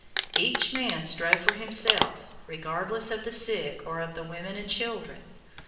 Each man strove for himself, regardless of the sick, or of the women and children.